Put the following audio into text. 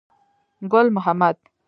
ګل محمد.